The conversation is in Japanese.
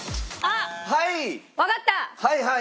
はいはい？